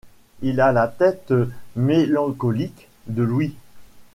Il a la tête mélancolique de Louis